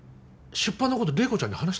出版のこと麗子ちゃんに話したの？